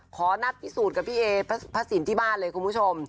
ขอนัดพิสูจน์กับพี่เอพระสินที่บ้านเลยคุณผู้ชม